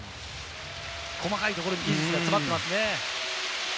細かいところに技術が詰まっていますね。